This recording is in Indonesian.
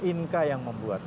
inka yang membuat